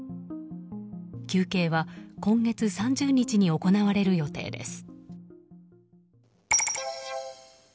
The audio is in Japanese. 求刑は今月３０日に行われる予定です。